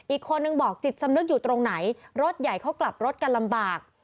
อีกคนนึงบอกจิตสำนึกอยู่ตรงไหนรถใหญ่เขากลับรถกันลำบาก